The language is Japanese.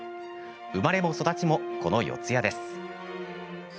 生まれも育ちも、この四谷です。